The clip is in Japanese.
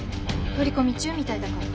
取り込み中みたいだから。